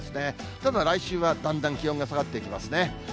ただ来週はだんだん気温が下がってきますね。